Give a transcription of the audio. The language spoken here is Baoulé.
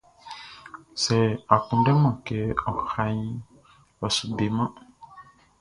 Sɛ a kunndɛman kɛ ɔ raʼn, ɔ su beman.